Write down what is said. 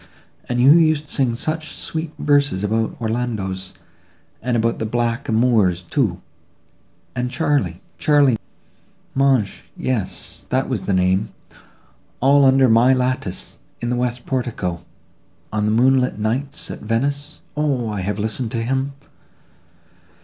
And who used to sing such sweet verses about Orlandos and about the Black a moors, too; and Charly—Charly—magne, yes, that was the name, all under my lattice, in the west portico, on the moonlight nights at Venice? O! I have listened to him!